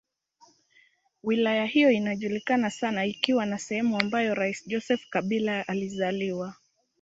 Wilaya hiyo inajulikana sana ikiwa ni sehemu ambayo rais Joseph Kabila alizaliwa.